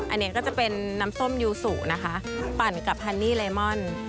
อันนี้ก็จะเป็นน้ำส้มยูสุนะคะปั่นกับฮันนี่เลมอน